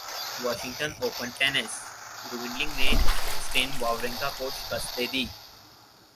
Washington open tennis Donald Young نے Stan Wawrinka کو شکست دیدی